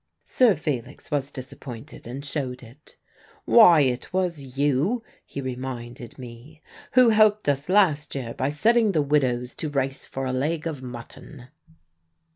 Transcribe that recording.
Sir Felix was disappointed, and showed it. "Why, it was you," he reminded me, "who helped us last year by setting the widows to race for a leg of mutton."